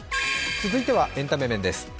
続いてはエンタメ面です。